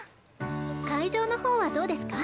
会場の方はどうですか？